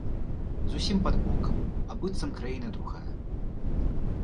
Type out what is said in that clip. Зусім пад бокам, а быццам краіна другая.